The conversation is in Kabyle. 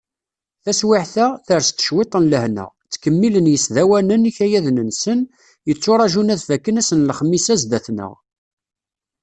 Taswiɛt-a, ters-d cwiṭ n lehna, ttkemmilen yisdawanen ikayaden-nsen, yetturaǧun ad fakken ass n lexmis-a sdat-nneɣ.